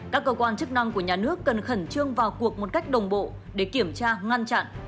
các cơ quan chức năng của nhà nước cần khẩn trương vào cuộc một cách đồng bộ để kiểm tra ngăn chặn